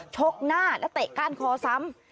กหน้าและเตะก้านคอซ้ำ